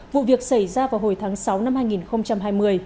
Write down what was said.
vụ việc xảy ra vào hồi tháng sáu năm hai nghìn hai mươi